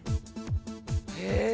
へえ。